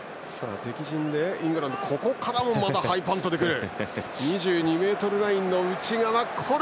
イングランド、ここからもハイパントでくる。